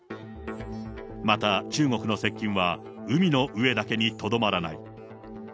また中国の接近は、海の上だけにとどまらない。